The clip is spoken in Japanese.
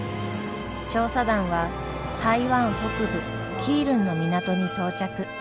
調査団は台湾北部基隆の港に到着。